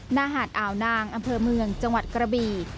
หน้าหาดอ่าวนางอำเภอเมืองจังหวัดกระบี